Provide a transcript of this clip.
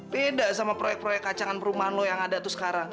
beda sama proyek proyek kacangan perumahan lo yang ada itu sekarang